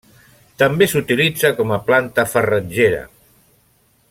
També s'utilitza com a planta farratgera.